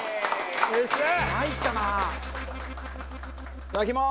いただきます！